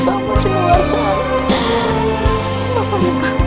kamu dimana sekarang